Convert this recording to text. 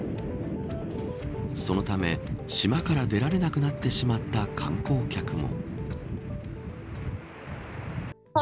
そのため、島から出られなくなってしまった観光客も。